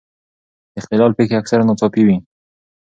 د اختلال پېښې اکثره ناڅاپي وي.